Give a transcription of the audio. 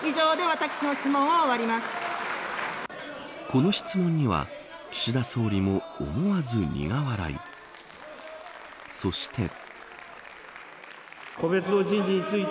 この質問には岸田総理も思わず苦笑い。